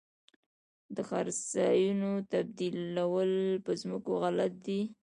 د څړځایونو تبدیلول په ځمکو غلط دي.